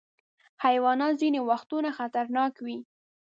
حیوانات ځینې وختونه خطرناک وي.